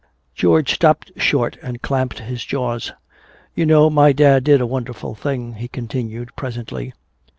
George stopped short and clamped his jaws. "You know, my dad did a wonderful thing," he continued presently.